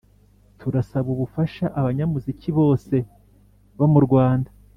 turasaba ubufasha abanyamuziki, bose bo murwanda